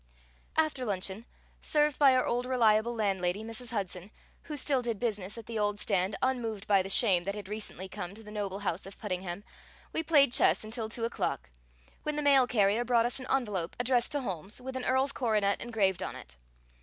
After luncheon, served by our old reliable landlady, Mrs. Hudson, who still did business at the old stand unmoved by the shame that had recently come to the noble House of Puddingham, we played chess until two o'clock, when the mail carrier brought us an envelope addressed to Holmes, with an earl's coronet engraved on it.